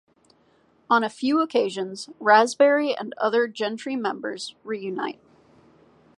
On a few occasions, Raspberry and other Gentry members reunite.